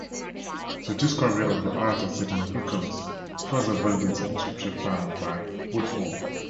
The discovery of the altar citing Lucullus further validates the inscription found by Woodford.